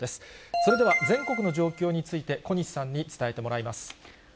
それでは全国の状況について、小西さんに伝えてもらいます。